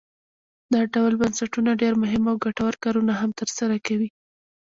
دا ډول بنسټونه ډیر مهم او ګټور کارونه هم تر سره کوي.